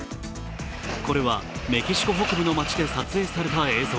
これはメキシコ北部の街で撮影された映像。